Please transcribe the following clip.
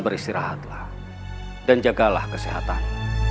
beristirahatlah dan jagalah kesehatan